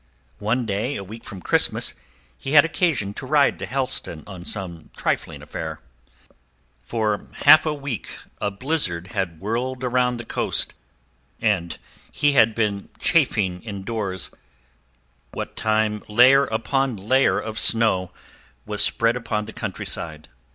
One day, a week from Christmas, he had occasion to ride to Helston on some trifling affair. For half a week a blizzard had whirled about the coast, and he had been kept chafing indoors what time layer upon layer of snow was spread upon the countryside.